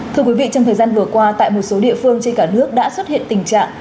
thưa quý vị trong thời gian vừa qua tại một số địa phương trên cả nước đã xuất hiện tình trạng